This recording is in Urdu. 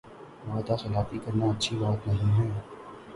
وعدہ خلافی کرنا اچھی بات نہیں ہے